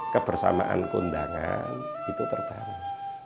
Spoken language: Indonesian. kebersamaan keundangan itu terbareng